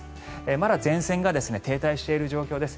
まだ前線が停滞している状況です。